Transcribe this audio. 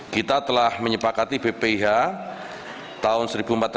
kita telah menyepakati bpih tahun dua ribu empat belas dua ribu lima belas